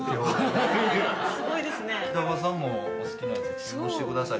北川さんもお好きなやつ注文してください